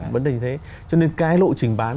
vấn đề như thế cho nên cái lộ trình bán